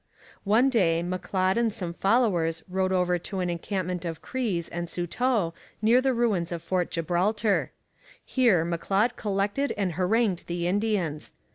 One day M'Leod and some followers rode over to an encampment of Crees and Saulteaux near the ruins of Fort Gibraltar. Here M'Leod collected and harangued the Indians.